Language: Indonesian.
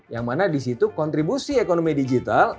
yang mana disitu kontribusi ekonomi digital